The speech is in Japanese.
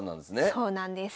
そうなんです。